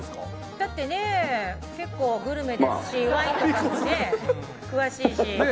だって、結構グルメですしワインとかもね。詳しいし。